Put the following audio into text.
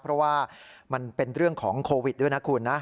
เพราะว่ามันเป็นเรื่องของโควิดด้วยนะคุณนะ